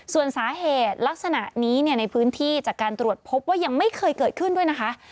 ส่วนสาเหตุลักษณะนี้ในพื้นที่จากการตรวจพบว่ายังไม่เคยเกิดขึ้นด้วยนะคะ